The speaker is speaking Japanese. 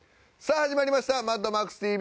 始まりました「マッドマックスＴＶ」。